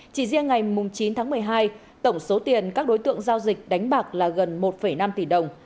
chỉ riêng ngày chín tháng một mươi hai tổng số tiền các đối tượng giao dịch đánh bạc là gần một năm tỷ đồng